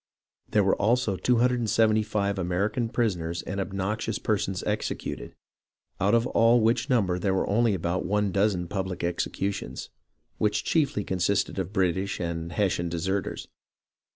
There were also 275 American prisoners and obnoxious perso7is executed, out of all which number there were only about one dozen public executions, which chiefly consisted of British and Hessian deserters.